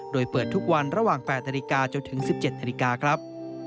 โดยเปิดทุกวันระหว่าง๘นาฬิกาจนถึง๑๗นาฬิกาครับ